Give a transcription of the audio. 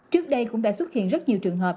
trước đây cũng đã xuất hiện rất nhiều trường hợp